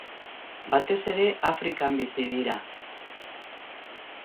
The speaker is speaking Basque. Batez ere Afrikan bizi dira.